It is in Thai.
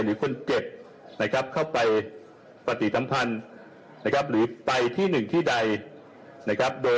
หรือคนเก็บเข้าไปปฏิสัมพันธ์หรือไปที่หนึ่งที่ใด